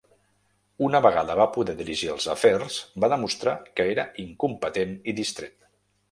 Una vegada va poder dirigir els afers va demostrar que era incompetent i distret.